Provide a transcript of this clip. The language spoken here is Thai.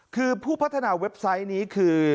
คือผู้พัฒนาเว็บไซต์นี้คือ